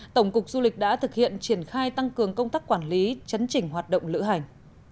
tổng cục du lịch đã thực hiện triển khai tăng cường công tác quản lý chấn chỉnh hoạt động lữ hành